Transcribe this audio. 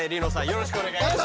よろしくお願いします。